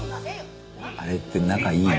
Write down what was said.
あれって仲いいの？